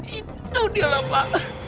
itu dia pak